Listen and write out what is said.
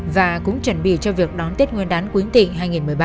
và cũng chuẩn bị cho việc đón tết nguyên đán quýnh tịnh hai nghìn một mươi ba